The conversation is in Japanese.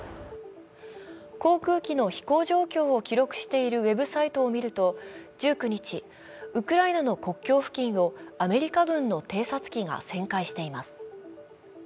航空機の飛行状況を記録しているウェブサイトを見ると１９日、ウクライナの国境付近をアメリカ軍の偵察機が旋回しています。